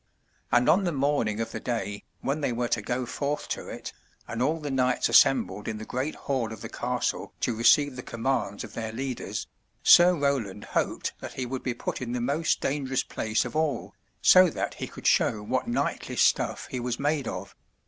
And on the morning of the day when they were to go forth to it, and all the knights assembled in the great hall of the castle to receive the commands of their leaders. Sir Roland hoped that he would be put in the most dangerous place of all, so that he could show what knightly stuff he was made of.